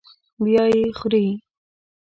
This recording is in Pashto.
بیا یې خوري.